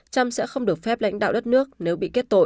trump sẽ không được phép lãnh đạo đất nước nếu bị kết tội